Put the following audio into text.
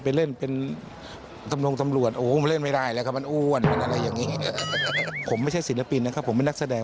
ผมไม่ใช่ศิลปินนะครับผมเป็นนักแสดง